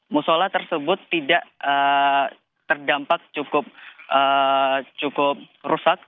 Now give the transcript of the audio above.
musola tersebut tidak terdampak cukup rusak